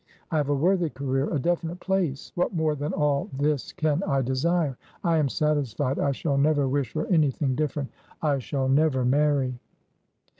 I have a worthy career, a definite place. What more than all this can I desire ? I am satisfied. I shall never wish for anything different. I shall never marry.